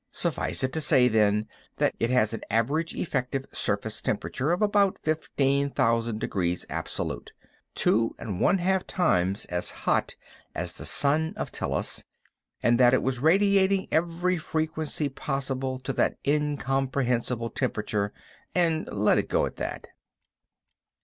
Suffice it to say, then, that it had an average effective surface temperature of about fifteen thousand degrees absolute—two and one half times as hot as the sun of Tellus—and that it was radiating every frequency possible to that incomprehensible temperature, and let it go at that.